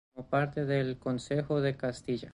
Formó parte del Consejo de Castilla.